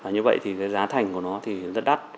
như vậy thì giá thành của nó rất đắt